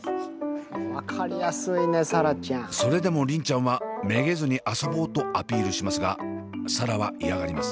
それでも梨鈴ちゃんはめげずに遊ぼうとアピールしますが紗蘭は嫌がります。